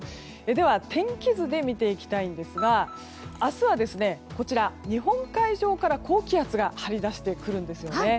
では、天気図で見ていきたいんですが明日は、日本海上から高気圧が張り出してくるんです。